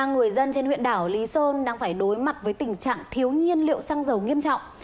người dân trên huyện đảo lý sơn đang phải đối mặt với tình trạng thiếu nhiên liệu xăng dầu nghiêm trọng